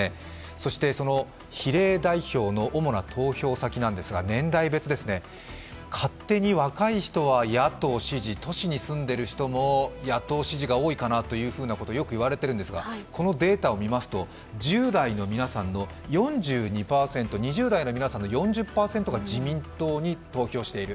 そして比例代表の主な投票先ですが、年代別です、勝手に若い人は野党支持、都市に住んでいる人も野党支持が多いかなということよく言われているんですが、このデータを見ますと、１０代の皆さんの４２％、２０代の皆さんの４０％が自民党に投票している。